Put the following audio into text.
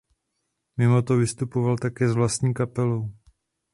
Mimo to vystupoval také s vlastní kapelou.